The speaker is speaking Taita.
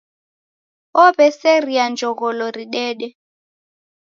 Ow'eseria jogholo ridede.